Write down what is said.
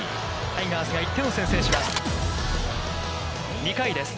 タイガースが１点を先制します。